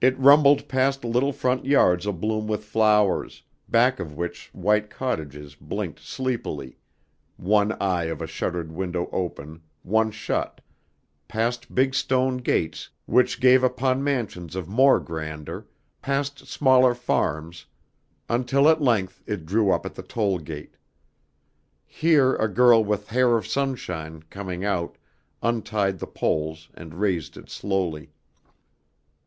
It rumbled past little front yards abloom with flowers, back of which white cottages blinked sleepily, one eye of a shuttered window open, one shut, past big stone gates which gave upon mansions of more grandeur, past smaller farms, until at length it drew up at the tollgate. Here a girl with hair of sunshine, coming out, untied the pole and raised it slowly.